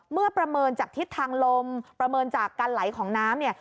ประเมินจากทิศทางลมประเมินจากการไหลของน้ำเนี่ย